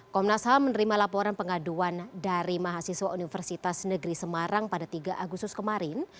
komnas ham menerima laporan pengaduan dari mahasiswa universitas negeri semarang pada tiga agustus kemarin